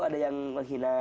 ada yang menghina